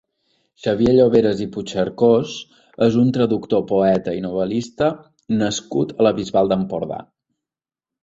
Xavier Lloveras i Puchercós és un traductor, poeta i novel·lista nascut a la Bisbal d'Empordà.